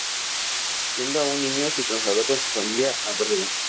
Siendo aún niño se trasladó con su familia a Breda.